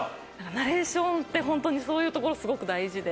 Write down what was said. ナレーションってホントにそういうところすごく大事で。